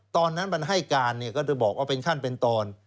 ตอนนั้นมันให้การก็จะบอกว่าเป็นขั้นเป็นตอน